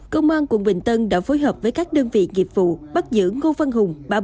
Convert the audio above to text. công an quận bình tân đã phối hợp với các đơn vị nghiệp vụ bắt giữ ngô văn hùng